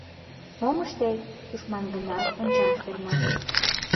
Мом ыштет — тушман гынат, ончаш перна.